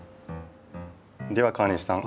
では川西さん